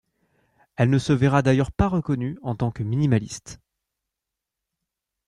Elle ne se verra d’ailleurs pas reconnue en tant que minimaliste.